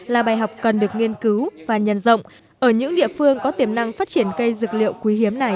là bài học cần được nghiên cứu và nhân rộng ở những địa phương có tiềm năng phát triển cây dược liệu quý hiếm này